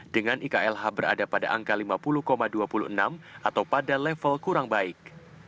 dengan iklh berada pada angka lima puluh dua puluh enam atau pada level kurang baik